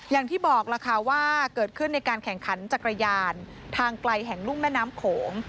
อย่างที่บอกล่ะค่ะว่าเกิดขึ้นในการแข่งขันจักรยานทางไกลแห่งลุ่มแม่น้ำโขง